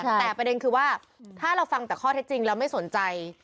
แต่ประเด็นคือว่าถ้าเราฟังแต่ข้อเท็จจริงเราไม่สนใจ